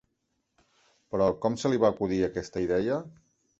Però, com se li va acudir aquesta idea?